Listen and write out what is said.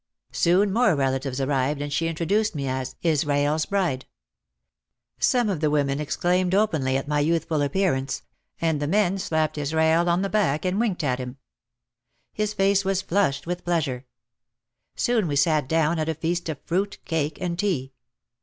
Soon more relatives arrived and she introduced me as "Israel's bride." Some of the women exclaimed openly at my youthful appearance and the men slapped Israel on the back and winked at him. His face was flushed with pleasure. Soon we sat down at a feast of fruit, cake and tea.